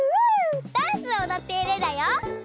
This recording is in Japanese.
ダンスをおどっているんだよ。